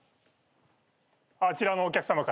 あちらのお客さまから。